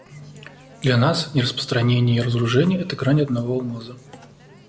Для нас нераспространение и разоружение — это грани одного алмаза.